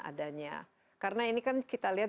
adanya karena ini kan kita lihat